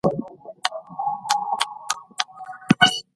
موږ باید د خپلو تاریخي ابداتو ساتنه وکړو.